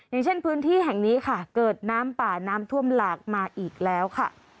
อย่างเช่นพื้นที่แห่งนี้ค่ะเกิดน้ำป่าน้ำท่วมหลากมาอีกแล้วค่ะ